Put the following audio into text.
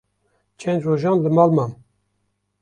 çend rojan li mal mam.